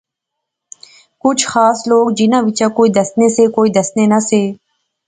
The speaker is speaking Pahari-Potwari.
کچھ خاص لوک جنہاں وچا کوئی دسنے سے کوئی دسنے نہسے